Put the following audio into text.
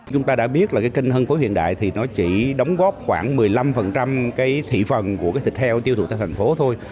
chúng ta đã biết là kênh hân phối hiện đại thì nó chỉ đóng góp khoảng một mươi năm thị phần của thịt heo tiêu thụ tại thành phố thôi